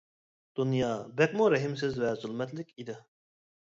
دۇنيا بەكمۇ رەھىمسىز ۋە زۇلمەتلىك ئىدى.